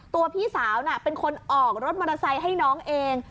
พี่สาวเป็นคนออกรถมอเตอร์ไซค์ให้น้องเอง